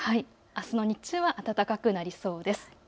あすの日中は暖かくなりそうです。